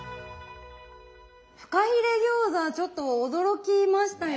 フカヒレ餃子ちょっと驚きましたよね。